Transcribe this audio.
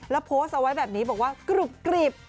แล้วโพสต์เอาไว้แบบนี้บอกว่ากรุบกรีบ